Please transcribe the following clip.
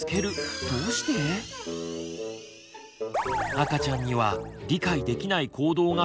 赤ちゃんには理解できない行動がたっくさん！